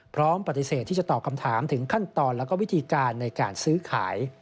พร้อมปฏิเสธที่จะตอบคำถามถึงขั้นตอนและวิธีการในการซื้อขาย